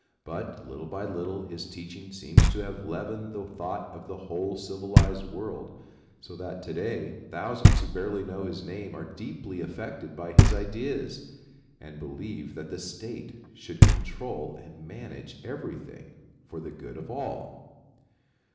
But, little by little, his teaching seems to have leavened the thought of the whole civilized world, so that to day thousands who barely know his name are deeply affected by his ideas, and believe that the state should control and manage everything for the good of all.